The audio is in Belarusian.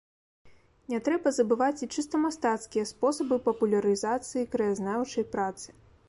Не трэба забываць і чыста мастацкія спосабы папулярызацыі краязнаўчай працы.